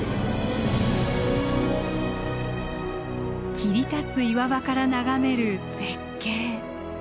切り立つ岩場から眺める絶景。